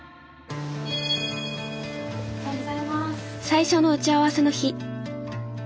最初の打ち合わせの日。